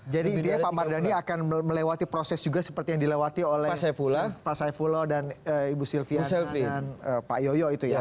jadi dia pak mardhani akan melewati proses juga seperti yang dilewati oleh pak saifulo dan ibu silviana dan pak yoyo itu ya